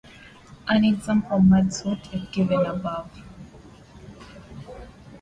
An example merge sort is given above.